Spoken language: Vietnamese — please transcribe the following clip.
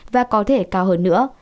và có thể cao hơn nữa